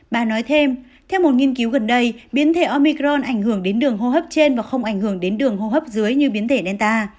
bà nói thêm theo một nghiên cứu gần đây biến thể omicron ảnh hưởng đến đường hô hấp trên và không ảnh hưởng đến đường hô hấp dưới như biến thể nelta